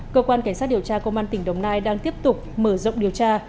cơ quan cảnh sát điều tra công an tỉnh đồng nai đang tiếp tục mở rộng điều tra